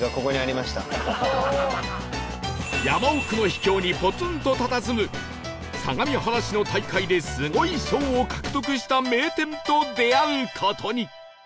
山奥の秘境にポツンと佇む相模原市の大会ですごい賞を獲得した名店と出会う事に